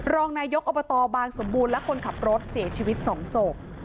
รองนายกอบตบางสมบูรณ์และคนขับรถเสียชีวิต๒ศพ